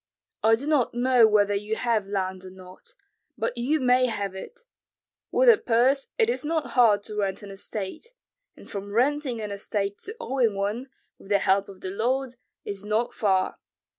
I do not know whether you have land or not, but you may have it; with a purse it is not hard to rent an estate, and from renting an estate to owning one, with the help of the Lord, is not far.